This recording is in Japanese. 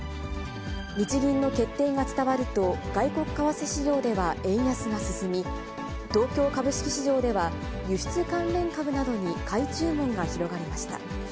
日銀の決定が伝わると、外国為替市場では円安が進み、東京株式市場では、輸出関連株などに買い注文が広がりました。